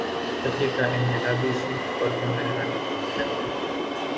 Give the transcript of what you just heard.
طبقے کا انقلابی سرخ پرچم لہرانے لگا